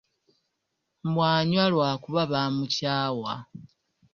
Mbu anywa lwa kuba baamukyawa.